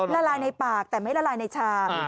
ละลายในปากแต่ไม่ละลายในชาม